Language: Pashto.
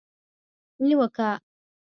نیوکه